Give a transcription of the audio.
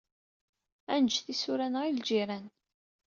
Ad nejj tisura-nneɣ i ljiran.